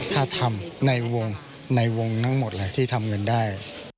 ถ้าทำในวงในวงทั้งหมดเลยที่ทำเงินได้